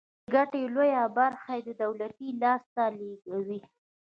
د ګټې لویه برخه یې د دولت لاس ته لویږي.